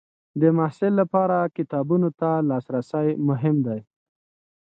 د محصل لپاره کتابونو ته لاسرسی مهم دی.